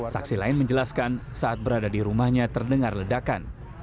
saksi lain menjelaskan saat berada di rumahnya terdengar ledakan